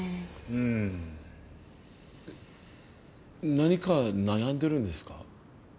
何か悩んでるんですか？